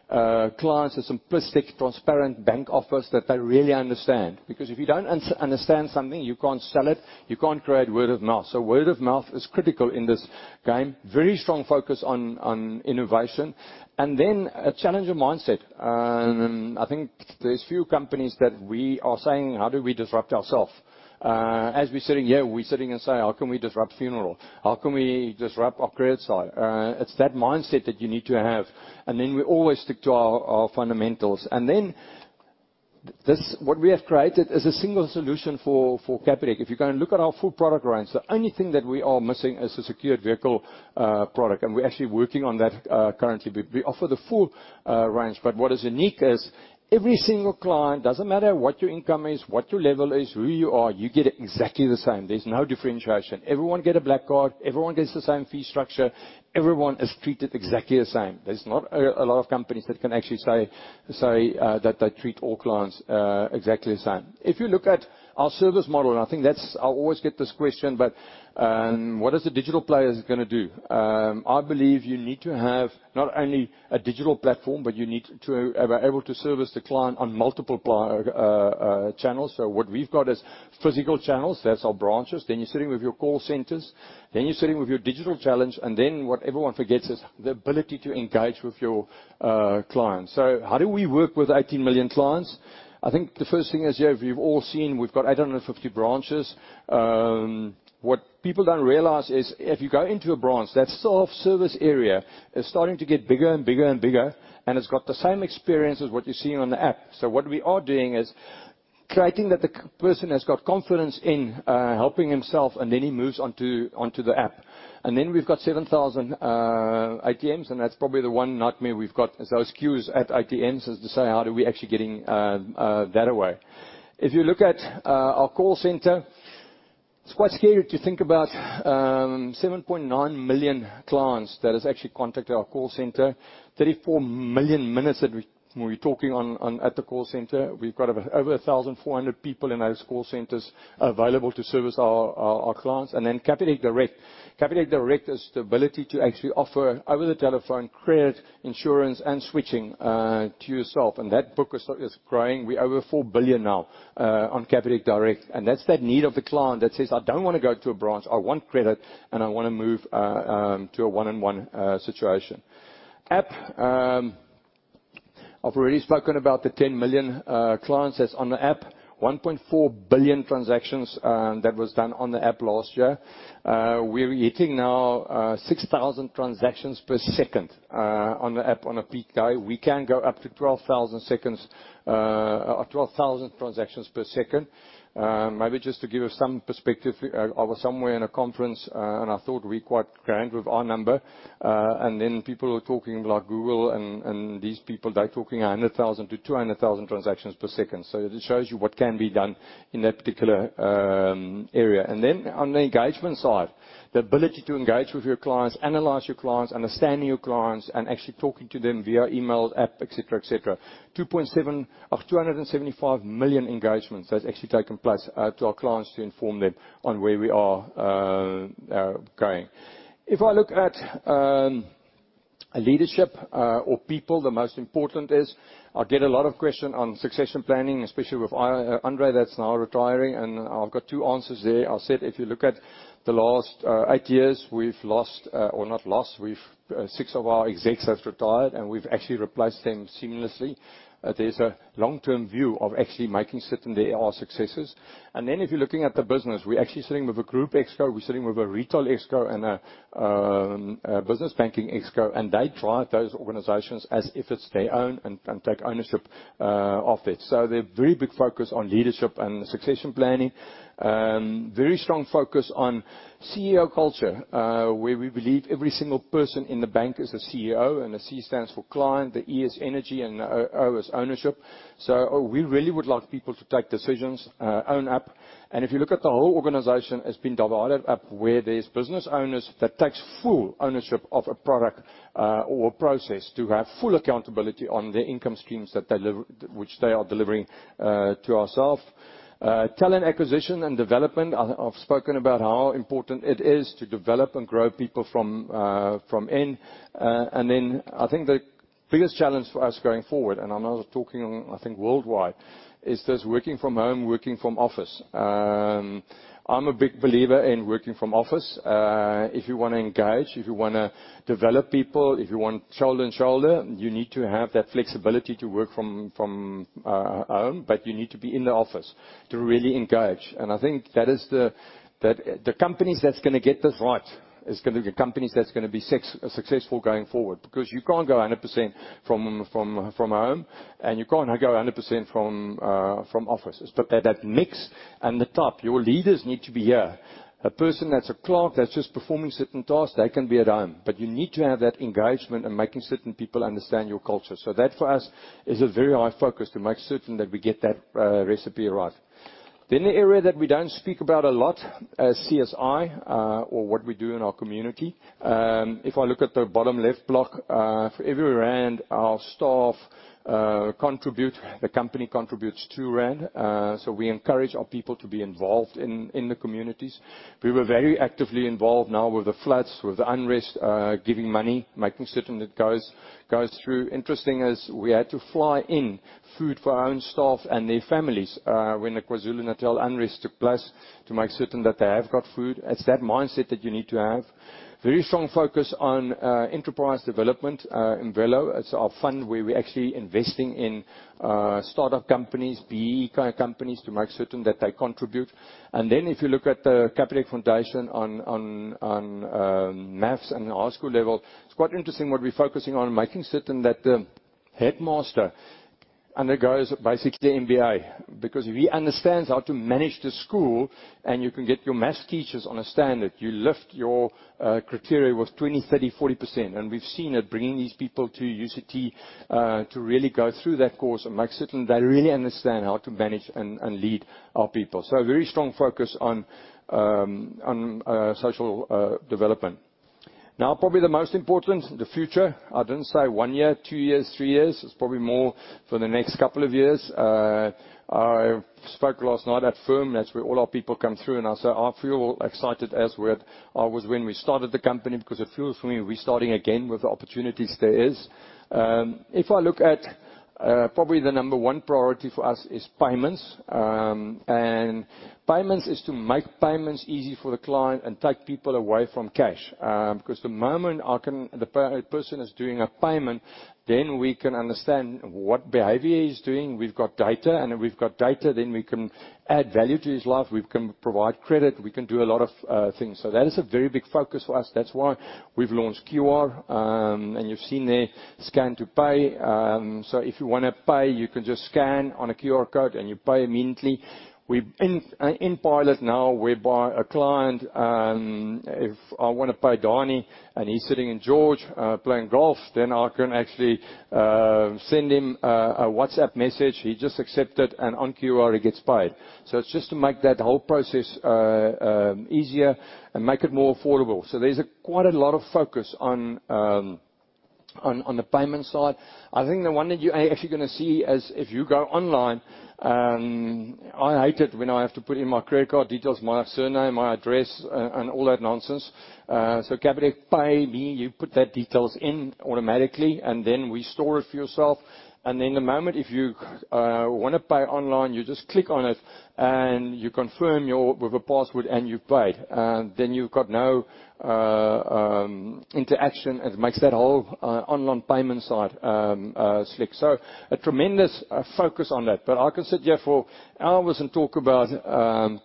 clients a simplistic, transparent bank offers that they really understand. Because if you don't understand something, you can't sell it, you can't create word of mouth. Word of mouth is critical in this game. Very strong focus on innovation. Then a challenger mindset. I think there's few companies that we are saying, how do we disrupt ourself? As we're sitting here, we're saying, "How can we disrupt funeral? How can we disrupt our credit side?" It's that mindset that you need to have. Then we always stick to our fundamentals. This what we have created is a single solution for Capitec. If you're gonna look at our full product range, the only thing that we are missing is a secured vehicle product, and we're actually working on that currently. We offer the full range, but what is unique is every single client, doesn't matter what your income is, what your level is, who you are, you get exactly the same. There's no differentiation. Everyone get a black card, everyone gets the same fee structure, everyone is treated exactly the same. There's not a lot of companies that can actually say that they treat all clients exactly the same. If you look at our service model, I think that's. I always get this question, but what is the digital players gonna do? I believe you need to have not only a digital platform, but you need to be able to service the client on multiple channels. What we've got is physical channels, that's our branches. You're sitting with your call centers. You're sitting with your digital channel. What everyone forgets is the ability to engage with your clients. How do we work with 18 million clients? I think the first thing is, yeah, we've all seen, we've got 850 branches. What people don't realize is if you go into a branch, that self-service area is starting to get bigger and bigger and bigger, and it's got the same experience as what you're seeing on the app. What we are doing is creating that the person has got confidence in helping himself, and then he moves onto the app. Then we've got 7,000 ATMs, and that's probably the one nightmare we've got, is those queues at ATMs. That is to say, how do we actually get that away? If you look at our call center, it's quite scary to think about 7.9 million clients that has actually contacted our call center. 34 million minutes that we're talking on at the call center. We've got over 1,400 people in those call centers available to service our clients. Then Capitec Direct. Capitec Direct is the ability to actually offer, over the telephone, credit, insurance, and switching to yourself. That book is growing. We're over 4 billion now on Capitec Direct. That's that need of the client that says, "I don't wanna go to a branch. I want credit, and I wanna move to a one-on-one situation." App. I've already spoken about the 10 million clients that's on the app. 1.4 billion transactions that was done on the app last year. We're hitting now 6,000 transactions per second on the app on a peak day. We can go up to twelve thousand seconds or twelve thousand transactions per second. Maybe just to give you some perspective, I was somewhere in a conference and I thought we're quite grand with our number. Then people were talking like Google and these people, they're talking 100,000-200,000 transactions per second. It shows you what can be done in that particular area. On the engagement side, the ability to engage with your clients, analyze your clients, understanding your clients, and actually talking to them via email, app, etc, etc. 275 million engagements that's actually taken place to our clients to inform them on where we are going. If I look at leadership or people, the most important is I get a lot of question on succession planning, especially with our André that's now retiring. I've got two answers there. I said, if you look at the last eight years, we've lost, or not lost, we've six of our execs have retired, and we've actually replaced them seamlessly. There's a long-term view of actually making certain they are successors. If you're looking at the business, we're actually sitting with a group exco, we're sitting with a retail exco, and a business banking exco, and they drive those organizations as if it's their own and take ownership of it. So there's a very big focus on leadership and succession planning. Very strong focus on CEO culture, where we believe every single person in the bank is a CEO, and the C stands for client, the E is energy, and the O is ownership. So we really would like people to take decisions, own up. If you look at the whole organization, it's been divided up where there's business owners that takes full ownership of a product or a process to have full accountability on the income streams which they are delivering to ourselves. Talent acquisition and development. I've spoken about how important it is to develop and grow people from within. I think the biggest challenge for us going forward, and I'm now talking, I think, worldwide, is this working from home, working from office. I'm a big believer in working from office. If you wanna engage, if you wanna develop people, if you want shoulder to shoulder, you need to have that flexibility to work from home, but you need to be in the office to really engage. I think that is the. The companies that's gonna get this right is gonna be the companies that's gonna be successful going forward. Because you can't go 100% from home, and you can't go 100% from offices. That mix and the top, your leaders need to be here. A person that's a clerk that's just performing certain tasks, they can be at home. You need to have that engagement and making certain people understand your culture. That, for us, is a very high focus to make certain that we get that recipe right. The area that we don't speak about a lot is CSI, or what we do in our community. If I look at the bottom left block, for every ZAR our staff contribute, the company contributes 2 rand. We encourage our people to be involved in the communities. We were very actively involved now with the floods, with the unrest, giving money, making certain it goes through. Interesting as we had to fly in food for our own staff and their families, when the KwaZulu-Natal unrest took place, to make certain that they have got food. It's that mindset that you need to have. Very strong focus on enterprise development. Imvelo is our fund where we're actually investing in startup companies, BEE kind of companies, to make certain that they contribute. Then if you look at the Capitec Foundation on math and high school level, it's quite interesting what we're focusing on, making certain that the headmaster undergoes basically MBA. Because if he understands how to manage the school and you can get your math teachers on a standard, you lift your criteria with 20%, 30%, 40%. We've seen it bringing these people to UCT to really go through that course and make certain they really understand how to manage and lead our people. A very strong focus on social development. Now, probably the most important, the future. I didn't say one year, two years, three years. It's probably more for the next couple of years. I spoke last night at Firm Foundations. That's where all our people come through. I said, "I feel excited as I was when we started the company," because it feels for me we're starting again with the opportunities there is. If I look at, probably the number one priority for us is payments. Payments is to make payments easy for the client and take people away from cash. 'Cause the moment I can. A person is doing a payment, then we can understand what behavior he's doing. We've got data. If we've got data, then we can add value to his life. We can provide credit. We can do a lot of things. That is a very big focus for us. That's why we've launched QR. You've seen there scan to pay. If you wanna pay, you can just scan on a QR code and you pay immediately. We're in pilot now, whereby a client, if I wanna pay Danny, and he's sitting in George, playing golf, then I can actually send him a WhatsApp message. He just accept it, and on QR he gets paid. It's just to make that whole process easier and make it more affordable. There's quite a lot of focus on the payment side. I think the one that you actually gonna see is if you go online, I hate it when I have to put in my credit card details, my surname, my address, and all that nonsense. Capitec Pay Me, you put that details in automatically, and then we store it for yourself. In the moment if you wanna pay online, you just click on it, and you confirm your with a password, and you've paid. You've got no interaction. It makes that whole online payment side slick. A tremendous focus on that. I can sit here for hours and talk about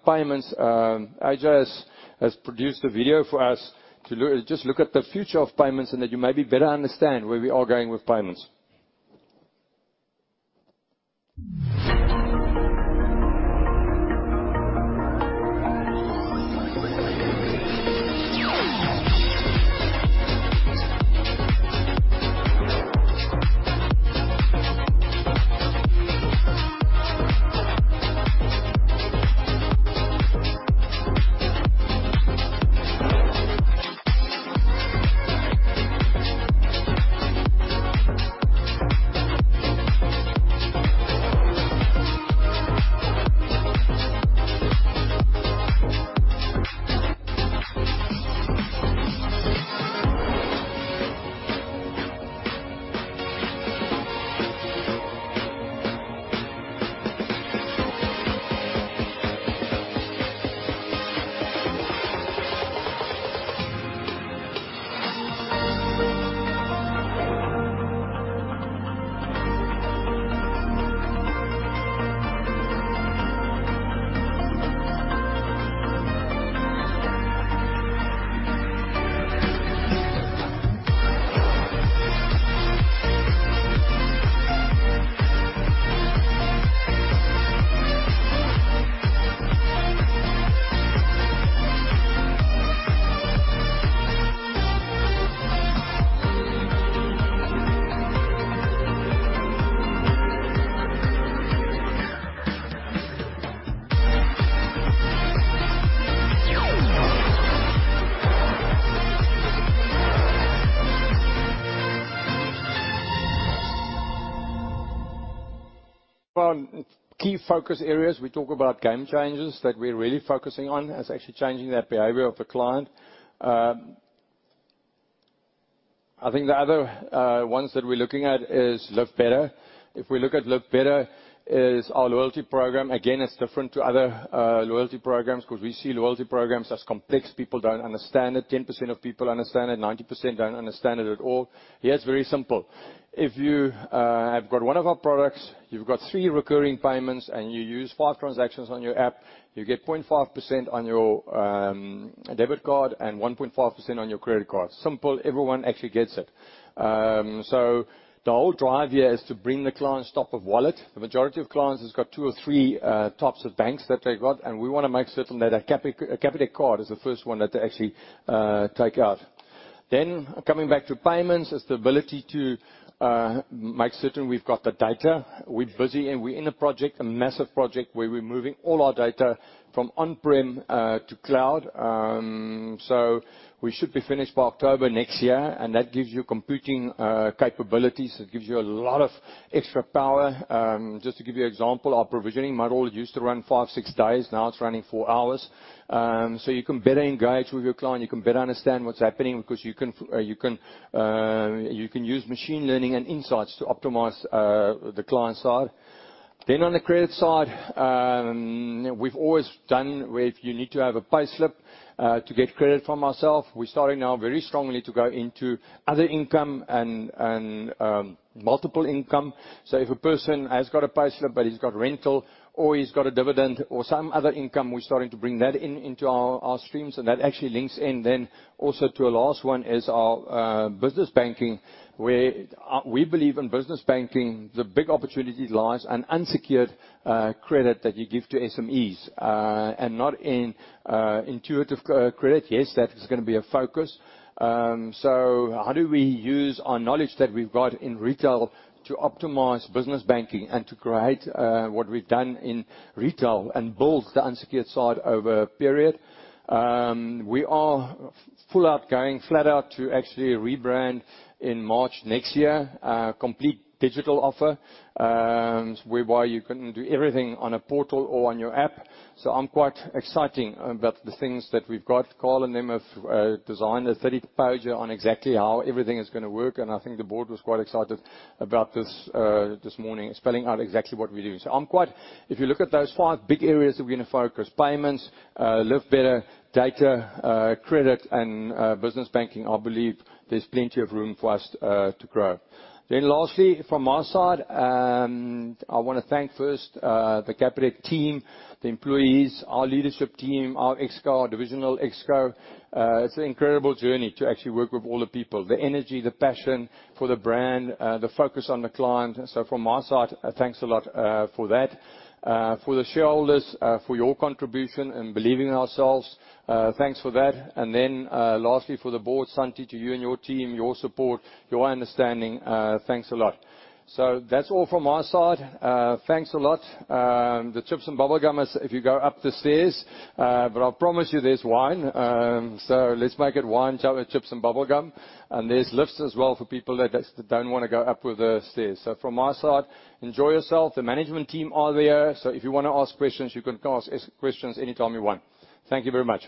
payments. AJ has produced a video for us to look at the future of payments and that you maybe better understand where we are going with payments. Well, key focus areas, we talk about game changers that we're really focusing on, is actually changing that behavior of the client. I think the other ones that we're looking at is Live Better. If we look at Live Better, is our loyalty program. Again, it's different to other loyalty programs 'cause we see loyalty programs as complex. People don't understand it. 10% of people understand it, 90% don't understand it at all. Here, it's very simple. If you have got one of our products, you've got three recurring payments, and you use five transactions on your app, you get 0.5% on your debit card and 1.5% on your credit card. Simple. Everyone actually gets it. The whole drive here is to bring the clients' top of wallet. The majority of clients has got two or three tops of banks that they got, and we wanna make certain that a Capitec card is the first one that they actually take out. Coming back to payments, is the ability to make certain we've got the data. We're busy and we're in a project, a massive project, where we're moving all our data from on-prem to cloud. We should be finished by October next year, and that gives you computing capabilities. It gives you a lot of extra power. Just to give you an example, our provisioning model used to run five to six days, now it's running four hours. You can better engage with your client. You can better understand what's happening because you can use machine learning and insights to optimize the client side. On the credit side, we've always done where if you need to have a payslip to get credit from ourselves. We're starting now very strongly to go into other income and multiple income. If a person has got a payslip, but he's got rental or he's got a dividend or some other income, we're starting to bring that into our streams. That actually links in then also to a last one, is our business banking where we believe in business banking, the big opportunity lies on unsecured credit that you give to SMEs and not in institutional credit. Yes, that is gonna be a focus. How do we use our knowledge that we've got in retail to optimize business banking and to create what we've done in retail and build the unsecured side over a period? We are full out, going flat out to actually rebrand in March next year. Complete digital offer, whereby you can do everything on a portal or on your app. I'm quite exciting about the things that we've got. Carl and them have designed a 30-page on exactly how everything is gonna work, and I think the board was quite excited about this this morning, spelling out exactly what we do. I'm quite if you look at those five big areas that we're gonna focus, payments, Live Better, data, credit, and business banking, I believe there's plenty of room for us to grow. Lastly, from my side, I wanna thank first the Capitec team, the employees, our leadership team, our exco, our divisional exco. It's an incredible journey to actually work with all the people, the energy, the passion for the brand, the focus on the client. From my side, thanks a lot for that. For the shareholders, for your contribution and believing in ourselves, thanks for that. Lastly, for the board, Santie, to you and your team, your support, your understanding, thanks a lot. That's all from my side. Thanks a lot. The chips and bubblegum is if you go up the stairs, but I'll promise you there's wine. Let's make it wine, chow, and chips and bubblegum. There's lifts as well for people that just don't wanna go up with the stairs. From my side, enjoy yourself. The management team are there, so if you wanna ask questions, you can ask us questions anytime you want. Thank you very much.